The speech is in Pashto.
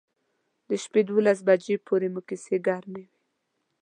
د شپې تر دولس بجو پورې مو کیسې ګرمې وې.